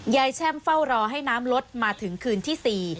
แช่มเฝ้ารอให้น้ำลดมาถึงคืนที่๔